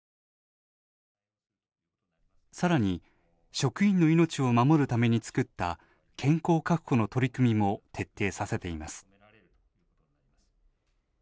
さらに、職員の命を守るために作った健康確保の取り組みも徹底させています。